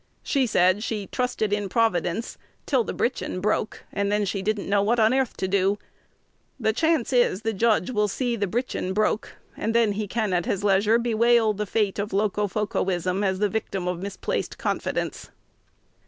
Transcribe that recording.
She said she 'trusted in Providence till the britchin' broke, and then she didn't know what on airth to do.' The chance is, the judge will see the 'britchin' broke;' and then he can at his leisure bewail the fate of Locofocoism as the victim of misplaced confidence."